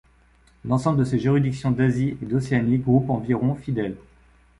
L'ensemble de ces juridictions d'Asie et d'Océanie groupe environ fidèles.